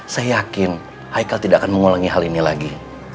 saya yakin icle tidak akan mengulangi hal ini lagi